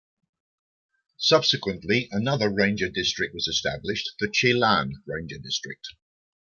Subsequently, another ranger district was established, the Chelan Ranger District.